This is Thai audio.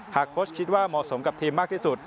โค้ชคิดว่าเหมาะสมกับทีมมากที่สุด